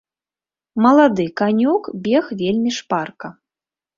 Малады канюк бег вельмі шпарка.